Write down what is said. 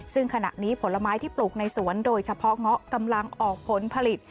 ซึ่งขณะนี้ผลไม้ที่ปลูกในสวนโดยเฉพาะเงาะกำลังออกผลผลิต